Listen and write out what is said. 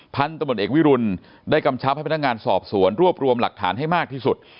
พันธุ์ตำรวจเอกวิรุณได้กำชับให้พนักงานสอบสวนรวบรวมหลักฐานให้มากที่สุด